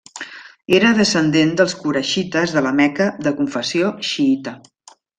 Era descendent dels quraixites de la Meca de confessió xiïta.